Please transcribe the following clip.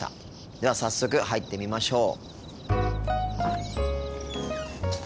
では早速入ってみましょう。